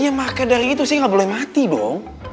ya maka dari itu saya nggak boleh mati dong